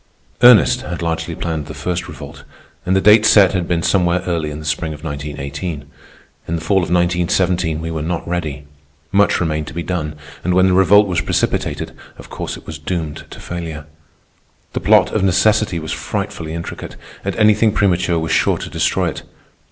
Ernest had largely planned the First Revolt, and the date set had been somewhere early in the spring of 1918. In the fall of 1917 we were not ready; much remained to be done, and when the Revolt was precipitated, of course it was doomed to failure. The plot of necessity was frightfully intricate, and anything premature was sure to destroy it.